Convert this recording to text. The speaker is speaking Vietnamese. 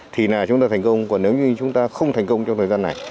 thì là chúng ta thành công còn nếu như chúng ta không thành công trong thời gian này